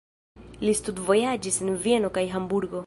Li studvojaĝis en Vieno kaj Hamburgo.